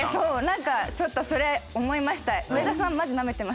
なんかちょっとそれ思いました。